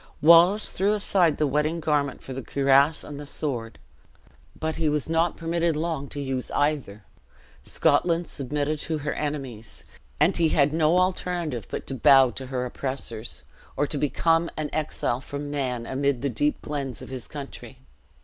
Wallace threw aside the wedding garment for the cuirass and the sword. But he was not permitted long to use either Scotland submitted to her enemies; and he had no alternative but to bow to her oppressors, or to become an exile from man, amid the deep glens of his country.